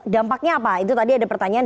dampaknya apa itu tadi ada pertanyaan